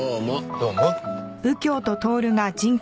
どうも。